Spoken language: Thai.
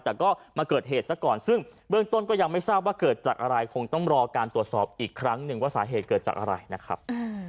แต่ก็มาเกิดเหตุซะก่อนซึ่งเบื้องต้นก็ยังไม่ทราบว่าเกิดจากอะไรคงต้องรอการตรวจสอบอีกครั้งหนึ่งว่าสาเหตุเกิดจากอะไรนะครับ